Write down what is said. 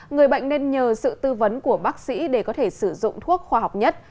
người bệnh nên nhờ sự tư vấn của bác sĩ để có thể sử dụng thuốc khoa học nhất